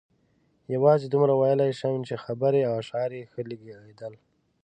یوازې دومره ویلای شم چې خبرې او اشعار یې ښه لګېدل.